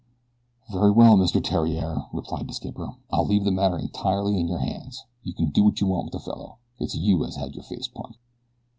"Very well, Mr. Theriere," replied the skipper, "I'll leave the matter entirely in your hands you can do what you want with the fellow; it's you as had your face punched."